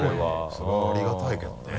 それはありがたいけどね。